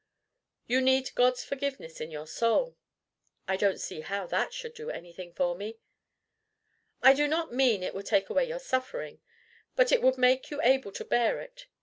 "You need God's forgiveness in your soul." "I don't see how that should do anything for me." "I do not mean it would take away your suffering; but it would make you able to bear it.